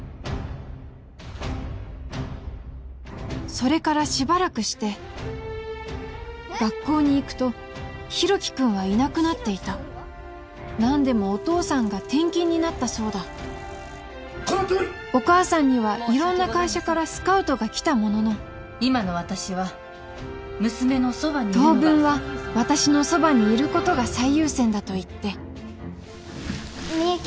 それからしばらくして学校に行くと大樹君はいなくなっていた何でもお父さんが転勤になったそうだお母さんには色んな会社からスカウトが来たものの今の私は娘のそばにいるのが当分は私のそばにいることが最優先だと言ってみゆき